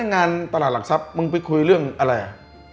งานตลาดหลักทรัพย์มึงไปคุยเรื่องอะไรอ่ะ